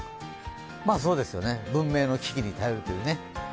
まあそうですよね、文明の機器に頼るというね。